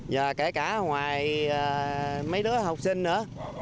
và kể cả ngoài mấy đứa học sinh nữa